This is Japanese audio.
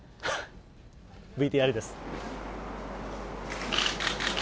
ＶＴＲです。